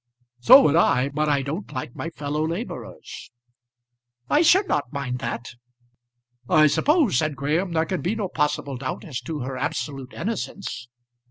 "So would I; but I don't like my fellow labourers." "I should not mind that." "I suppose," said Graham, "there can be no possible doubt as to her absolute innocence?"